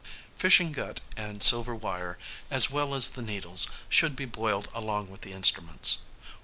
Fishing gut and silver wire, as well as the needles, should be boiled along with the instruments.